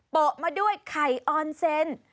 โปะมาด้วยไข่ออนเซน